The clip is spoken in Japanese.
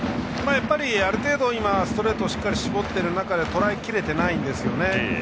ある程度、ストレートをしっかり絞っている中でとらえきれていないんですね。